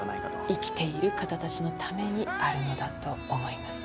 生きている方たちのためにあるのだと思います。